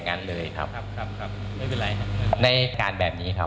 ส่วนอีกเรื่องหนึ่งที่หลายคนสงสัยว่าจะมีนายจตุการณ์นี้หรือเปล่า